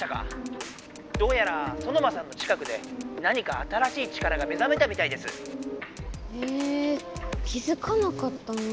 どうやらソノマさんの近くで何か新しい力が目ざめたみたいです。へ気づかなかったな。